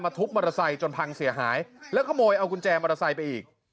ทุบมอเตอร์ไซค์จนพังเสียหายแล้วขโมยเอากุญแจมอเตอร์ไซค์ไปอีก